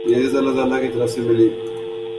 یہ عزت اللہ تعالی کی طرف سے ملی۔